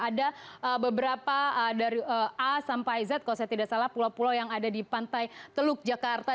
ada beberapa dari a sampai z kalau saya tidak salah pulau pulau yang ada di pantai teluk jakarta